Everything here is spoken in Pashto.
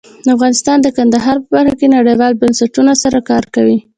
افغانستان د کندهار په برخه کې نړیوالو بنسټونو سره کار کوي.